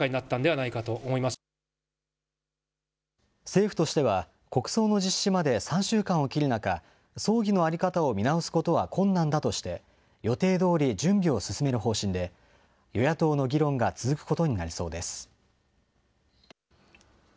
政府としては、国葬の実施まで３週間を切る中、葬儀の在り方を見直すことは困難だとして、予定どおり準備を進める方針で、与野党の議論が続くことになりそうです。